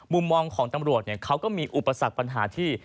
มุมมองของตำรวจเขาก็มีอุปสรรคปัญหาที่